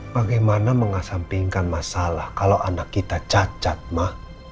bagaimana mengasampingkan masalah kalau anak kita cacat ma